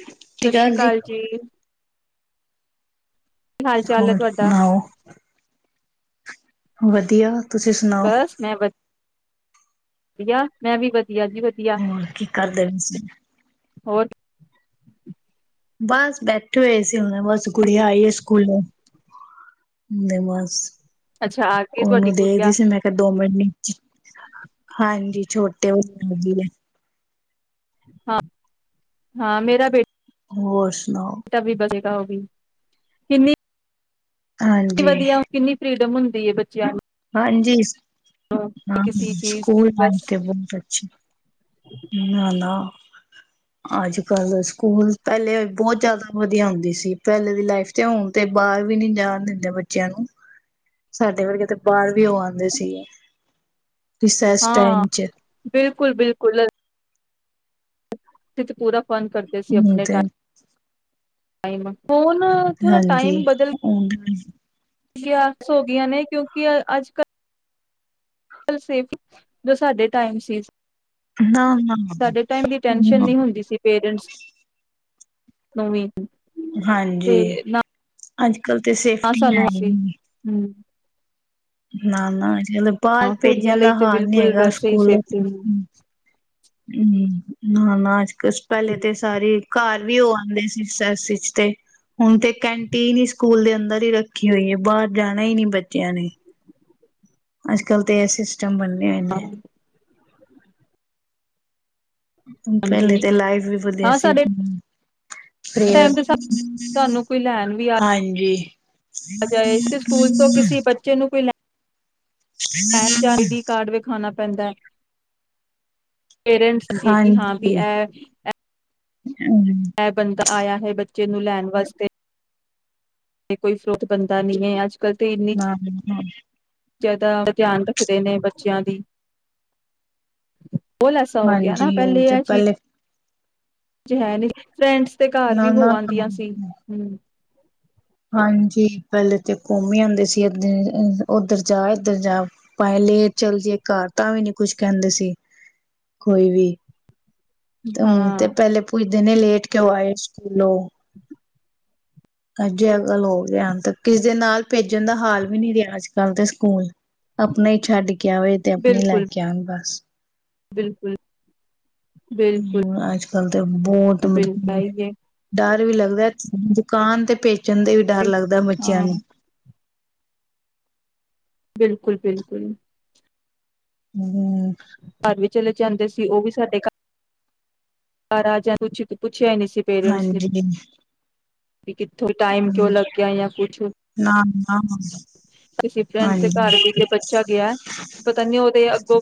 ਸਤਿ ਸ਼੍ਰੀ ਅਕਾਲ ਜੀ। ਕੀ ਹਾਲ ਚਾਲ ਹੈ ਹੋਰ ਤੁਹਾਡਾ? ਸੁਣਾਓ? ਵਧੀਆ। ਤੁਸੀਂ ਸੁਣਾਓ? ਧਿਆ, ਮੈਂ ਵੀ ਵਧ ਹੋਰ ਕੀ ਕਰਦੇ ਬੇ ਸੀ? ਹੋਰ? ਬਸ ਬੈਠੇ ਹੋਏ ਸੀ ਹੁਣ ਬਸ ਕੁੜੀਆਂ ਆਈ ਹੈ। ਸਕੂਲੋਂ ਬਸ। ਅੱਛਾ ਆ ਗਈ ਤੁਹਾਡੀ ਉਹਨੂੰ ਦੇਖਦੀ ਗੁੜੀਆ, ਸੀ ਮੈਂ ਕਿਹਾ ਦੋ ਮਿੰਟ ਲਈ ਹਾਂਜੀ ਛੋਟੇ [inaudible] ਹੋ ਵੀ ਹੈ ਹਾਂ ਹਾਂ ਮੇਰਾ ਬੇਟਾ ਹੋਰ ਸੁਣਾੋ ਤ ਵੀ ਵਚੇਗਾ ਹੋਗੀ ਕਿੰਨੀ ਕਿ ਹਾਂਜੀ ਵਧੀਆ ਕਿੰਨੀ ਫਰੀਡਮ ਹੁੰਦੀ ਏ ਬੱਚਿਆਂ ਨੂੰ ਹਾਂਜੀ- ਹ ਕਿਸੀ ਚੀਜ਼ ਸਕੂਲ ਦੀ ਬਸ ਤੇ ਬੰਦ ਨਾ ਹੋਣ ਤੇ ਅੱਛਾ ਅੱਜ ਕੱਲ ਸਕੂਲ ਪਹਿਲੇ ਬਹੁਤ ਜ਼ਿਆਦਾ ਵਧੀਆ ਹੁੰਦੀ ਸੀ ਪਹਿਲੇ ਦੀ ਲਾਈਫ ਤੇ ਹੁਣ ਤੇ ਬਾਹਰ ਵੀ ਨਹੀਂਜਾਣ ਦਿੰਦੇ ਬੱਚਿਆਂ ਨੂੰ ਸਾਡੇ ਵਰਗੇ ਤਾਂ ਬਾਹਰ ਵੀ ਉਹ ਆਉਂਦੇ ਸੀਗੇ ਰਿਸੈਸ ਟਾਈਮ ਹਾਂ ਵਿਚ ਬਿਲਕੁਲ -ਬਿਲਕੁਲ ਤਿਥ ਪੂਰਾ- ਫਨ ਕਰਦੇ ਸੀ ਹੁਣ ਆਪਣੇ ਤੇ ਟਾਇ। ਟਮ [inaudible] ਹਾਂਜੀ ਉਹ ਤੇ ਹੋ ਗਈਆਂ ਨੇ ਕਿਉਂਕਿ ਅੱਜ ਕੱਲ੍ਹ ਸੇਫ ਜੋ ਸਾਡੇ ਟਾਈਮ ਸੀ। ਨਾ ਨਾ ਜੀ। ਸਾਡੇ ਟਾਈਮ ਦੀ ਨਵੀ। ਹਾਂਜੀ ਅੱਜ ਕੱਲ੍ਹ ਤਾਂ ਹਾਂ ਸੇਫਟੀ ਹੈ। ਸਾਨੂੰ ਹੀ ਅਸੀਂ ਨਹੀਂ। ਹੂੰ ਨਾ -ਨਾ ਚਲੋ ਬਾਹਰ ਹਾਂ ਕੁੜੀਆਂ ਭੇਜਣ ਦਾ ਲਈ ਤੇ ਹਾਲ ਨੀ ਬਿਲਕੁਲ ਹੈਗਾ। ਵੈਸੇ ਹੀ ਸਕੂਲ ਸੇਫਟੀ ਨਹੀਂ ਹੂਨਾ ਨਾ ਅੱਜ- ਪਹਿਲੇ ਤੇ ਸਾਰੇ ਘਰ ਵੀ ਉਹ ਆਉਂਦੇ ਇਹਦੀ ਰੀਸਸ ਤੇ ਹੁਣ ਤੇ ਕੈਂਟੀਨ ਹੀ ਸਕੂਲ ਦੇ ਅੰਦਰ ਹੀ ਰੱਖੀ ਹੋਈ ਹੈ। ਬਾਹਰ ਜਾਣਾ ਹੀ ਨਹੀਂ ਬੱਚਿਆਂ ਨੇ ਅੱਜ ਕਲ ਤਾਂ ਐਸੀ ਸਿਸਟਮ ਬਣੇ ਹੋਏ ਨੇ ਪਹਿਲੇ ਹਾਂਜੀ ਤੇ ਲਾਈਫ ਵੀ ਵਧੀਆ ਹਾਂ ਸੀ ਸਾਡੇ ਹ ਟਾਈਮ ਨਾਲ ਸਾਨੂੰ ਕੋਈ ਲੈਣ ਵੀ ਹਾਂਜੀ। ਸਕੂਲ ਤੋਂ ਕਿਸੀ ਬੱਚੇ ਨੂੰ ਕੋਈ ਲੈਣ ਵ ਪੈਨ ਜਾਂ ਆਈ ਡੀ ਕਾਰਡ ਵਿਖਾਣਾ ਬੰਦਾ- ਪੇਰੈਂਟਸ ਹੁੰਦੀ ਹੈ। ਕਿ ਹਾਂ ਵੀ ਹਾਂਜੀ ਇਹ ਮੈਂ ਬਣਦਾ ਆਇਆ ਹੈ ਬੱਚੇ ਨੂੰ ਲੈਣ ਵਾਸਤੇ ਤੇ ਕੋਈ ਫਰੂਟ ਬਣਦਾ ਨੀ ਹੈ ਅਜ ਹਾਂ ਜ਼ਿਆਦਾ ਧਿਆਨ ਰੱਖਦੇ ਨੇ ਬੱਚਿਆਂ ਦੀ ਬੋਲ ਐਸਾ ਹੋ ਗਿਆ ਨਾ ਹਾਂਜੀ ਹੁਣ ਪਹਿਲੇ ਤੇ ਆ ਚੀਜ਼ ਜੇ ਹੈ ਨੀ ਫਰੈਂਡਸ ਤੇ ਘਰ ਵੀ ਹੋ ਨਾ-ਨਾ ਆਂਦੀਆਂ ਸੀ ਹਮ ਹਾਂਜੀ ਪਹਿਲੇ ਤੇ ਘੁੰਮ ਹੀ ਆਉਂਦੇ ਸੀਧ ਉੱਧਰ ਜਾ ਇਧਰ ਜਾ ਭ ਲੇ ਚੱਲਦੀਏ ਘ ਤਾਂ ਵੀ ਨੀ ਕੁਛ ਕਹਿੰਦੇ ਸੀ ਕੋਈ ਵੀ ਹਮ ਹਾਂ ਤੇ ਪਹਿਲੇ ਪੂ ਦਿਨੇ ਲੇਟ ਕਿਉਂ ਆਏ ਸਕੂਲੋਂ ਅੱਜੇ ਅ ਗੱਲ ਹੋ ਗਿਆ ਕਿਸ ਦੇ ਨਾਲ ਭੇਜ ਜਣ ਦਾ ਹਾਲ ਵੀ ਨਹੀਂੀ ਰਿਹਾ ਅੱਜ ਕੱਲ੍ਹ ਦੇ ਸਕੂਲ ਆਪਣਾ ਹੀ ਛੱਡ ਕੇ ਆਵੇ ਤੇ ਆਪਣੇ ਹੀ ਲੈ ਬਿਲਕੁਲ ਕੇ ਆਉਣ ਬਸ ਬਿਲਕੁਲ ਬਿਲਕੁਲ ਹੁਣ ਅੱਜ ਕੱਲ ਬਹੁਤ ਮਤਲਬ ਬਿਲਕੁਲ ਕੀ ਆਈ ਹੈ ਡਰ ਵੀ ਲੱਗਦਾ ਦੁਕਾਨ ਤੇ ਪੇਚ ੱਚਣ ਦੇ ਵੀ ਡਰ ਲੱਗਦਾ ਬੱਚਿਆਂ ਹਾਂ ਨੂੰ ਬਿਲਕੁਲ ਬਿਲਕੁਲ ਹਮ ਪਰਵ ਚਲੇ ਜਾਂਦੇ ਸੀ ਉਹ ਵੀ ਸਾਡੇ ਘਰ ਹ ਰਾਜ ਪੁ ਪੁ ਅੱਛ ਨਹੀਂ ਸੀ ਪੇਰੈਂਟਸ ਨੇ ਹਾਂਜੀ ਵੀ ਕਿੱਥੋਂ ਟਾਈਮ ਕਿਉ ਲੱਗਿਆ ਜਾਂ ਕੁਛ ਨਾ ਨਾ ਕਿਸੇ ਫਰੈਂਡ ਦੇ ਹਾਂਜੀ ਘਰ ਵੇਲੇ ਬੱਚਾ ਗਿਆ ਪਤਾ ਨੀ ਉਹਦੇ ਅੱਗੋਂ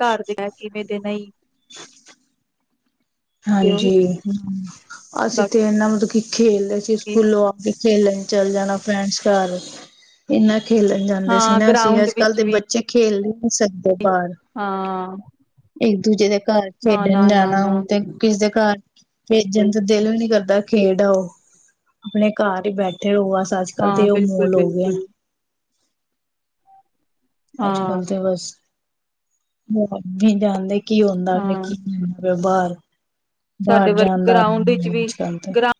ਘਰ ਕਿਵੇਂ ਤੇ ਨਹੀਂ [inaudible] ਤੇ ਹਾਂਜੀ ਹਮ ਅਸੀਂ ਤੇ ਬਾਕੀ ਇਹਨਾਂ ਮਤਲਬ ਕੀ ਖੇਲਦੇ ਸੀ ਸਕੂਲੋਂ ਆ ਕੇ ਖੇਲ ਚਲ ਜਾਣਾ ਫਰੈਂਡਸ ਘਰ ਇੰਨਾ ਖੇਲਣ ਜਾਂਦੇ ਸੀ ਹਾਂ ਨਾ ਅਸੀਂ ਗਰਾਊਂਡ ਅੱਜ ਕੱਲ੍ਹ ਵਿੱਚ ਦੇ ਵੀ ਬੱਚੇ ਖੇਦੇ ਸਿੱਧੇ ਬਾਹਰ ਹਾਂ ਇੱਕ ਦੂਜੇ ਦੇ ਘਰ ਨਾ, ਖੇਡਣ ਨਾ, ਨਾ, ਜਾਣਾ ਨਾ ਹੁਣ ਤੇ ਕਿਸ ਦੇ ਘਰ ਬਿਲਕੁਲ ਭੇਜਣ ਤੇ ਦਿਲ ਵੀ ਨੀ ਕਰਦਾ। ਖੇਡਓ ਆਪਣੇ ਘਰ ਹੀ ਬੈਠੇ ਠੇ ਰੋਆਸ ਅੱਜ ਕੱਲ੍ਹ ਹਾਂ ਤੇ ਉਹ ਬਿਲਕੁਲ, ਮੋਲ ਹੋ ਗਿਆ ਬਿਲਕੁਲ ਅੱਜ ਹਾਂ, ਕੱਲ ਤੇ ਬਸ [unintelligible] ਕੀ ਹੁੰਦਾ ਕੀ ਹੁੰਦਾ ਹਾਂ ਬਾਹਰ ਸਾਡੇ ਬਾਹਰ ਵਰ ਜਾਣ ਦਾ ਗਰਾਊਂਡ ਵਿੱਚ ਵੀ ਅੱਜ ਕੱਲ ਤੇ ਗਰਾ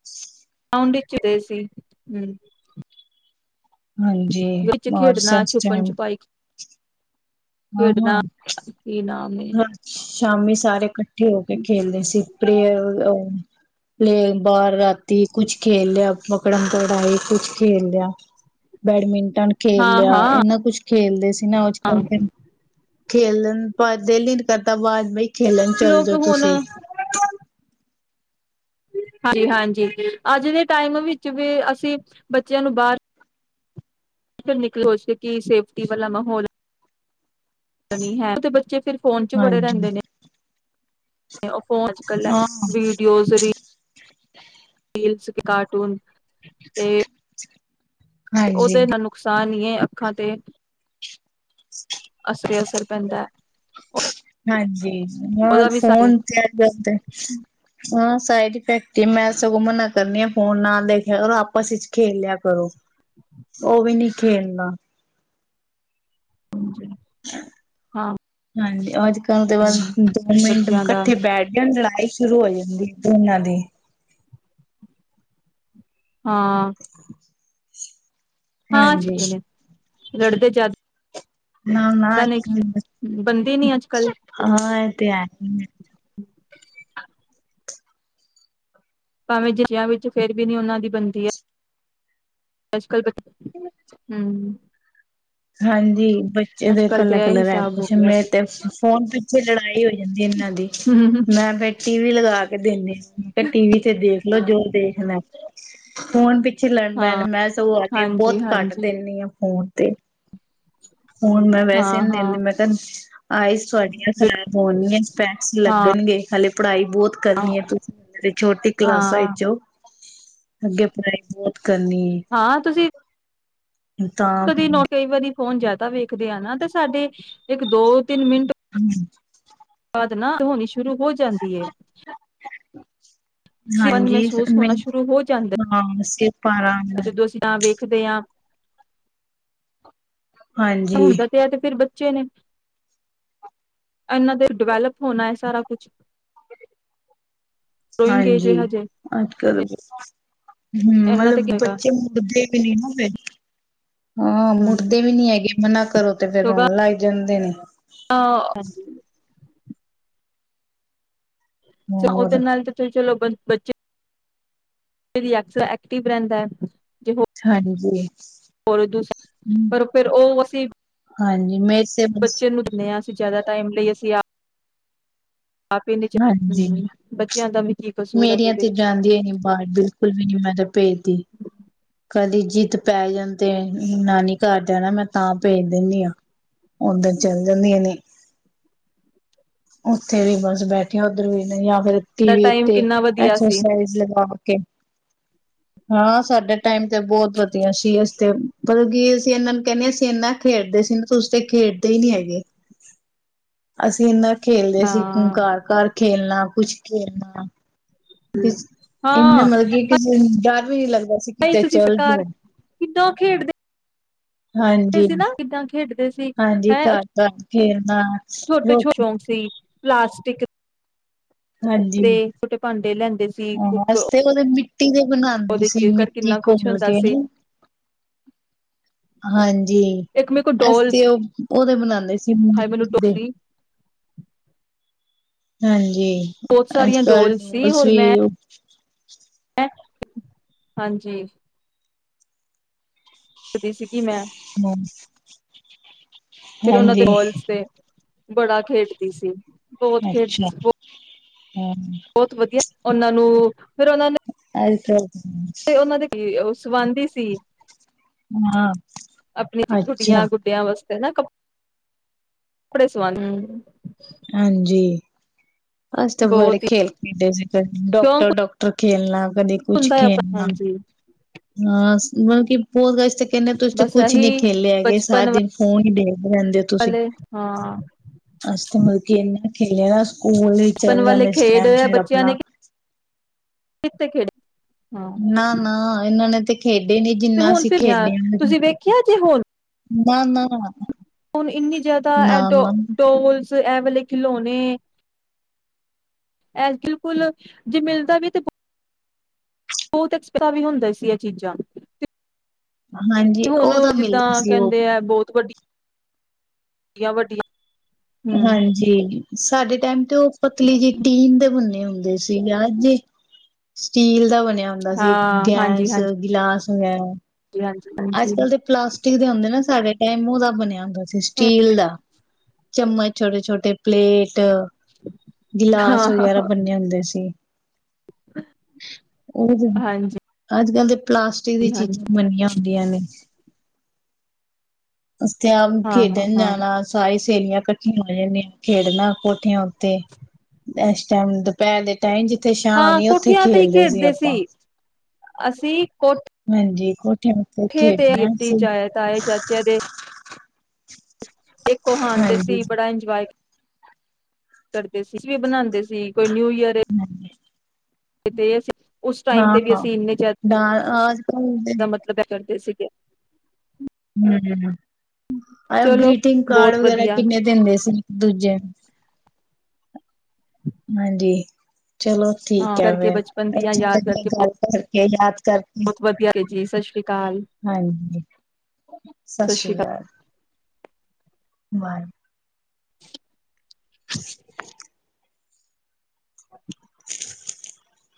[unintelligible] [unintelligible] ਹਾਂਜੀ ਵਿੱਚ ਖੇਡਣਾ ਛੁਪਨ [unintelligible] ਛੁਪਾਈ ਹਾਂ ਖੇਡਣਾ ਹਾਂ ਕੀ ਨਾ [unintelligible] ਸ਼ਾਮੀ ਸਾਰੇ ਇਕੱਠੇ ਇਕੱਠੇ ਹੋ ਕੇ ਖੇਲਦੇ ਸੀ ਪ੍ਰਹ ਲ ਬਾਹਰ ਰਾਤੀ ਕੁਛ ਖੇਲ ਲਿਆ ਪਕਨ ਪਕੜਾਈ ਕੁਛ ਖੇਲ ਲਿਆ, ਬੈਡਮਿੰਟਨ ਟਣ ਖੇਲ ਹਾਂ ਲਿਆ ਹਾਂ ਇੰਨਾ ਕੁਛ ਖੇਲਦੇ [unintelligible] ਖੇਲਣ ਪਰ ਦਿਲ ਹੀ ਨ ਕਰਦਾ ਬਾਵਾਜ਼ ਬਈ ਖੇਲਣ ਚੱਲ ਲੋਕ ਜਾ ਹੁਣ ਤੁਸੀਂ ਹਾਂਜੀ ਹਾਂਜੀ ਅੱਜ ਦੇ ਟਾਈਮ ਵਿੱਚ ਵੀ ਅਸੀਂ ਬੱਚਿਆਂ ਨੂੰ ਬਾਹਰ ਫ ਨਿਕਲ ਹੋ ਸਕ ਸੇਫਟੀ ਵਾਲਾ ਮਾਹਲ ਹੈ ਬੱਚੇ ਫਿਰ ਫੋਨ ਚ ਵੜੇ ਹਾਂਜੀ। ਰਹਿੰਦੇ ਨੇ ਉਹ ਫੋਨ ਚ ਇਕੱਲਾ ਹਾਂ, ਵੀਡੀਓਜ਼ ਰੀਲਸ ਕਾਰਟੂਨ ਤੇ ਉਹਦੇ ਹਾਂਜੀ। ਹਾਂ ਨੁਕਸਾਨ ਹੀ ਐ। ਅੱਖਾਂ ਤੇ ਹ ਅਸਰ ਈ ਅਸਰ ਪੈਂਦਾ ਐ। ਹਾਂਜੀ। ਹਾਂ ਫੋਨ ਤਿਆਰੀ ਕਰਦੇ ਹਾਂ। ਸਾਈਡ ਇਫੈਕਟ ਹੀ ਮੈਂ ਸਗੋਂ ਮਨਾ ਕਰਨੀ ਆ ਫੋਨ ਨਾ ਦੇਖਿਆ ਕਰੋ, ਆਪਸ ਵਿੱਚ ਖੇਲ ਲਿਆ ਕਰੋ। ਉਹ ਵੀ ਨਹੀਂ ਖੇਲਣਾ ਹਾਂਜੀ। ਹਾਂਜੀ ਅੱਜ ਤਾਂ ਉਹਦੇ ਬਾਅਦ ਦੋ ਮਿੰਟ ਬੱਚਿਆਂ ਦਾ ਇਕੱਠੇ ਬੈਠ ਜਾਣ ਲੜਾਈ ਸ਼ੁਰੂ ਹੋ ਜਾਂਦੀ, ਦੋਨਾਂ ਦੀ ਹਾਂ। ਹਾਂ, ਹਾਂਜੀ, ਛੁੱਟੇ ਨੇ। ਰੜਦੇ ਜ਼ਦ ਹਾਂ ਹਾਂ ਬਣਦੀ [unintelligible] ਨੀ ਅੱਜ ਕੱਲ ਹਾਂ ਹਾਂ। ਤੇ ਆ ਹੀ ਨੇ। ਹਮ ਭਾਵੇਂ ਜਸ਼ਿਆਂ ਵਿੱਚ ਫਿਰ ਵੀ ਨਹੀਂ ਉਹਨਾਂ ਦੀ ਬਣਦੀ ਐ। ਅੱਜ ਕੱਲ੍ਹ ਬੱ ਹੂੰ। ਹਾਂਜੀ। ਬੱਚੇ ਦੇ ਕੱਲ ਇਕੱਲਾ ਤੇ ਇਹ ਕਲਰ ਐ ਹਿਸਾਬ ਹੋ ਖੁਸ਼ ਗਿਆ ਮੈਂ ਤੇ ਫੋਨ ਪਿੱਛੇ ਲੜਾਈ ਹੋਈ ਜਾਂਦੀ ਇਹਨਾਂ ਦੀ, ਹਮ ਮੈਂ ਬੈਠੀ ਟੀ ਵੀ ਲਗਾ ਕੇ ਦਿੰਦੇ। ਮੈਂ ਕਿਹਾ ਟੀ ਵੀ ਤੇ ਦੇਖ ਲਓ ਜੋ ਦੇ ਹਨਾ ਫੋਨ ਵੀ ਪਿੱਛ ਲੈਣ ਹਾਂ [unintelligible] ਮੈਂ ਸਗੋਂ ਆ ਕੇ ਹਾਂਜੀ ਬਹੁਤ ਘੱਟ ਹਾਂਜੀ ਦਿੰਦੀ ਆਂ। ਉਹ ਤੇ ਹੁਣ ਮੈਂ ਹਾਂ ਵੈਸੇ ਨ ਹਾਂ ਦੇੰਦੀ, ਮੈਂ ਕਿਹਾ ਆਈਸ ਤੁਹਾਡੀਆਂ ਖ਼ਰਾਬ ਹੋਣਗੀਆਂ ਸਪੈਕਸ ਹਾਂ ਲੱਗਣਗੇ, ਹਾਲੇ ਪੜ੍ਹਾਈ [unintelligible] ਬਹੁਤ ਕਰਨੀ ਹੈ ਤੁ, ਏ ਛੋਟੀ ਕਲਾਸਾਂ ਹਾਂ ਵਿੱਚੋਂ ਅੱਗੇ ਪੜ੍ਹਾਈ ਬਹੁਤ ਕਰਨੀ ਹਾਂ ਤੁਸੀਂ ਹੈ ਤਾਂ ਕਦੇ ਨੌ, ਕਈ ਵਾਰੀ ਫੋਨ ਜਾਤੀ। ਤਾ ਵੇਖਦੇ ਆ ਨਾ, ਤੇ ਸਾਡੇ ਇੱਕ-ਦੋ, ਤਿੰਨ ਮਿੰਟ। ਹਮ। [unintelligible] ਨਾ, ਹੋਣੀ ਸ਼ੁਰੂ ਹੋ ਜਾਂਦੀ ਹੈ। ਸਵਨ ਹਾਂਜੀ, ਮਹਿਸੂਸ ਹੋਣਾ ਸ਼ੁਰੂ ਹੋ ਜਾਂਦਾ ਹਾਂ ਦੱਸੋ ਬਾਹਰ ਆਂਗਨ ਰਖਦੇ ਆਂ ਹਾਂਜੀ ਹੁੰਦਾ ਤੇ ਹੈ, ਤੇ ਫਿਰ ਬੀ ਬੱਚੇ ਨੇ, ਇਹਨਾ ਦੇ ਡਿਵੈਲਪ ਹੋਣਾ ਹੈ, ਸਾਰਾ ਕੁਛ ਗਰੋਇੰਗ ਏਜ ਹਾਂਜੀ, ਹਜੇ ਆਜ ਕੱਲ ਤੇ ਹੂ, ਇਹਨਾਂ ਤੇ ਮਤਲਬ ਕਿਗਾ ਬੱਚੇ ਮੁੜਦੇ ਵੀ ਨਹੀਂ। ਨਾ ਫੇਰ ਹਾਂ, ਹੂੰ ਮੁੜਦੇ ਵੀ ਨੀ ਹੈਗੇ ਮਨਾ ਕਰੋ ਤੇ ਫੇਰ ਰੋਣ ਲੱਗ ਜਾਂਦੇ ਨੇ। [inaudible] ਆਹ ਹਾਂਜੀ। ਚ ਉਹਦੇ ਹੋਰ ਨਾਲ ਤੇ ਤੁਸੀਂ ਚਲੋ। ਬੱਚੇ? ਐਕਟਿਵ ਰਹਿੰਦਾ ਹੈ। ਜੇ ਅੱਛਾ ਹੈ, ਬਿਜ਼ੀ ਐ ਹੋਰ ਤੁਸੀ, ਪਰ ਫੇਰ ਉਹ ਅਸੀਂ ਹਾਂਜੀ ਮੈਂ ਬੱਚੇ ਨੂੰ ਦਿੰਦੇ ਆ। ਜ਼ਿਆਦਾ ਟਾਈਮ ਲਈ ਅਸੀਂ ਆ ਹਾਂਜੀ, ਦਾ ਵੀ ਕੀ ਕਸੂਰ ਇਹਦੇ ਮੇਰੀਆਂ ਤੇ ਵਿੱਚ ਜਾਂਦੀਆਂ ਨੀ ਬਾਹਰ ਬਿਲਕੁਲ ਵੀ ਨੀ। ਮੈਂ ਤੇ ਬੇਟੀ ਕਦੀ ਜਿੱਤ ਪੈ ਜਾਂਦੇ ਐ, ਨਾਨੀ ਘਰ ਜਾਣਾ, ਮੈਂ ਤਾਂ ਭੇਜ ਦਿੰਦੀ ਹਾਂ। ਉਦਰ ਚੱਲੀ ਜਾਂਦੀਆਂ ਨੇ। ਉੱਥੇ ਵੀ ਬਸ ਬੈਠੇਆ ਉਦਰ ਵੀ ਨਹੀਂ ਵਰਤੀ ਸਾਡਾ ਵੀ, ਟਾਈਮ ਉੱਤੇ ਕਿੰਨਾ ਵਧੀਆ ਸੀ ਐਕਸਰਸਾਈਜ਼ ਲਗਾ। ਹਾਂ, ਸਾਡਾ ਟਾਈਮ ਬਹੁਤ ਵਧੀਆ ਸੀ। ਤੇ ਮਤਲਬ ਕੀ, ਅਸੀਂ ਇਹਨਾਂ ਨੂੰ ਕਹਿਣੇ ਆ ਅਸੀਂ ਇਨਾ ਖੇਡਦੇ ਸੀ, ਤੁਸੀ ਤੇ ਖੇਡਦੇ ਹੀ ਨੀ [unintelligible] ਅਸੀਂ ਇਨਾ ਖੇਲਦੇ ਸੀ, ਹਾਂ ਘਰ-ਘਰ ਖੇਲਣਾ। ਕੁਛ ਖੇਲਣਾ। ਇਹਨਾ ਮਤਲਬ ਕੀ ਵੀ ਨੀ ਲੱਦਾ ਭ ਤੁਸੀਂ ਸਰਕਾਰ ਕਿੱਦਾਂ ਖੇਡਦੇ ਹਾਂਜੀ ਸੀ ਨਾ ਕਿੱਦਾਂ ਖੇਡਦੇ ਸੀ ਹਾਂਜੀ ਹੈਂ ਘਰ ਘ ਫੇਰ ਹਾਂ ਛੋਟੇ ਰ ਛੋਟੇ ਸ਼ੌਂਕ ਸੀ ਪਲਾਸਟਿਕ ਹਾਂਜੀ ਦੇ ਛੋਟੇ ਭਾਂਡੇ ਲੈਂਦੇ ਸੀ ਹਾਂ ਕੁੱਕ ਅਸੀ ਤੇ ਉਹਦੇ ਮਿੱਟੀ ਦੇ ਬਣਾਉਂਦੇ ਉਹਦੇ ਸੀ ਚ ਕਰ ਮਿੱਟੀ ਕਿੰਨਾ ਕੁਛ ਘੋਲ ਹੁੰਦਾ ਕੇ ਸੀ ਹਾਂਜੀ ਇੱਕ ਮੇਰੇ ਕੋਲ ਅਸੀ ਡੋਲਸ ਤੇ ਉਹ ਉਹਦੇ ਬਣਾਉਂਦੇ ਸੀ ਹਾਏ ਮੈਨੂੰ ਦੇ ਸੀ ਹਾਂਜੀ ਜ ਬਹੁਤ ਅੱਜ ਸਾਰੀਆਂ ਕੱਲ ਡੋਲਸ ਸੀ ਨਲਸ ਹੋਰ ਵੀ ਮੈਂ ਹਾਂਜੀ ਦੀ ਸੀਗੀ ਮੈਂ ਹਮ ਫਿਰ ਉਹਨਾਂ ਦੇ ਬਲਸ ਤੇ ਬੜਾ ਖੇਡਦੀ ਸੀ ਬਹੁਤ ਖੇਡਦੀ ਅੱਛਾ ਸੀ ਹਮ ਬਹੁਤ ਵਧੀਆ ਉਹਨਾਂ ਨੂੰ ਫੇਰ ਉਹਨਾਂ ਨੇ ਆ ਤੇ ਉਹਨਾਂ ਦੇ ਕੀ ਸਵਾਂਧੀ ਸੀ ਹਮ ਆਪਣੀ ਗੁੱਡੀਆਂ ਗੁੱਡਿਆਂ ਵਾਸਤੇ ਕ ਕੱਪੜੇ ਸੂਵਾ ਹ ਹਾਂਜੀ ਅਸੀ ਤੇ ਬੜੇ ਬਹੁਤ ਹੀ ਖੇਲ ਖੇਡਦੇ ਸੀ। ਡਾਕਟਰ ਸ਼ੌਕ ਡਾਕਟਰ ਖੇਲਣਾ ਕਦੇ ਕੁਛ ਹੁੰਦਾ ਹੈ ਆਪ ਖੇਲਣਾ, ਹਾਂਜੀ ਬਸ ਮਤਲਬ ਬਹੁਤ ਕਹਿੰਦੇ ਤੁਸੀਂ ਤੇ ਬਸ ਕੁਛ ਨੀ ਇਹੀ ਖੇਲੇ ਹੈਗੇ ਸਾਰੇ ਬਚਪਨ ਦਿਨ ਫੋਨ ਹੀ ਦੇੇਖ ਰਹਿੰਦੇ ਹੋ ਤੁਸੀਂ ਵਾਲੇ ਹਾਂ ਅਸੀਂ ਤੇ ਮਤਲਬ ਕੀ ਇਨਾ ਠੀਕ ਹੈ। ਸਕੂਲ ਲਈ ਬਚਪਨ ਚੱਲ ਵਾਲੇ ਜਾਂਦੇ ਇਸ ਖੇਡ ਟਾਈਮ ਫਿਰ ਆਪਣਾ ਕਿਥੇ ਖੇਡਦੇ ਨਾ ਨਾ ਇਹਨਾਂ ਨੇ ਤੇ ਖੇਡੇ ਨੀ ਤੇ ਜਿੰਨਾ ਹੁਣ ਅਸੀਂ ਫਿਰ ਖੇਡੇ ਤੁਸੀਂ ਵੇਖਿਆ ਜੇ ਹੁਣ ਨਾ ਨਾ ਹੁਣ ਇੰਨੀ ਜਿਆਦਾ ਇਹ ਡੋ ਡੋਲਸ ਐ ਵਾਲੇ ਖਿਲੋਣੇ, ਐ ਬਿਲਕੁਲ ਜੇ ਮਿਲਦਾ ਵੀ ਤੇ ਬਹੁਤ ਐਕਸ ਵੀ ਹੁੰਦਾ ਸੀ ਇਹ ਚੀਜ਼ਾਂ ਹਾਂਜੀ ਤੇ ਉਹ ਤਾਂ ਮਿਲਦਾ ਸੀ ਉਹ ਵਡੀਆਂ ਵੱਡੀਆਂ ਹੂੰ ਹਾਂਜੀ ਸਾਡੇ ਟਾਈਮ ਤੇ ਉਹ ਪਤਲੀ ਜੀ ਟੀਨ ਦੇ ਬੰਨੇ ਹੁੰਦੇ ਸੀਗਾ ਜ ਸਟੀਲ ਦਾ ਬਣਿਆ ਹੁੰਦਾ ਸੀ ਹਾਂ ਗੈਸ ਗਿਲਾਸ [unintelligible] ਜੀ ਹਾਂਜੀ ਅੱਜ ਹਾਂਜੀ ਕੱਲ੍ਹ ਦੇ ਪਲਾਸਟਿਕ ਹੁੰਦੇ ਨਾ ਸਾਡੇ ਟਾਈਮ ਉਹਦਾ ਬਣਿਆ ਹੁੰਦਾ। ਸਟੀਲ ਦਾ ਚਮਚ ਛੋਟੇ ਛੋਟੇ ਪਲੇਟ ਹਾਂ ਗਿਲਾਸ ਵਗੈਰਾ ਬੰਨੇ ਹੁੰਦੇ ਸੀ। ਉਹ ਤਾਂ ਹਾਂਜੀ ਅੱਜ ਕੱਲ੍ਹ ਦੇ ਪਲਾਸਟਿਕ ਦੀ ਚੀਜ਼ਾਂ ਹਾਂਜੀ ਬਣੀਆ [unintelligible] ਅਸੀਂ ਤੇ ਆਪ ਹਾਂ ਹਾਂ ਖੇਡਣ ਹਾਂ ਜਾਣਾ ਸਾਰੇ ਸਹੇਲੀਆਂ ਇਕੱਠੀਆਂ ਹੋ ਜਾਂਦੀਆਂ ਖੇਡਣਾ ਕੋਠੀਆਂ [unintelligible] ਦੁਪਹਿਰ ਦੇ ਟਾਈਮ ਜਿੱਥੇ ਸ਼ਾ ਹਾਂ ਆਨੀ ਉੱਥੇ ਕੋਠਿਆਂ ਤੇ ਹੀ ਖੇਲਦੇ ਸੀ ਖੇਡਦੇ ਆਪਾਂ। ਅਸੀਂ ਹੋਰ ਹਾਂਜੀ ਕੁਛ ਠੇ ਤੇ ਗਿਪਟੀ ਚਏ ਤਾਏ ਚਾਚੇ ਦੇ [unintelligible] ਦੇਖੋ ਹਣਦੇ ਹਾਂਜੀ ਸੀ ਬੜਾ ਇੰਜੋਏ ਕਰਦੇ ਸੀ ਵੀ ਬਣਾਉਂਦੇ ਸੀ। ਕੋਈ ਨਿਊਈਅਰ ਹੈ। ਹਾਂਜੀ ਤੇ ਤੇ ਅਸੀਂ ਉਸ ਟਾਈਮ ਵੀ ਹਾਂ ਇੰਨੇ ਜ਼ਿਆਦਾ ਡ ਆਜ ਕੱਲ ਮਤਲਬ ਕਰਦੇ ਸੀਗੇ ਹਮ ਆ ਚਲੋ ਗ੍ਰੀਟਿੰਗ ਕਾਰਡ ਬਹੁਤ ਵਗੈਰਾ ਵਧੀਆ ਕਿੰਨੇ ਦਿੰਦੇ ਸੀ ਇੱਕ ਦੂਜੇ ਨੂੰ ਹਾਂਜੀ ਚਲੋ ਹਾਂ ਠੀਕ ਹੈ ਕਰਕੇ ਫੇਿਰ ਬਚਪਨ ਦੀਆਂ ਅੱਛਾ ਯਾਦ ਲੱਗਿਆ ਕਰਕੇ ਗੱਲ ਪਰ ਕ ਯਦ ਬਹੁਤ ਵਧੀਆ ਜੀ ਸਤਿ ਸ੍ਰੀ ਅਕਾਲ ਹਾਂਜੀ ਸਤਿ ਸ੍ਰੀ ਅਕਾਲ ਬਾਰ [inaudible] [inaudible]